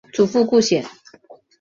祖父顾显。